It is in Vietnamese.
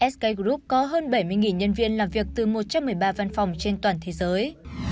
sk group có hơn bảy mươi nhân viên làm việc từ một trăm một mươi ba văn phòng trên toàn thế giới